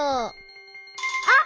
あっ！